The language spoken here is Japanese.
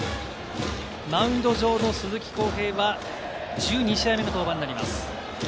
マウンド上の鈴木康平は１２試合目の登板になります。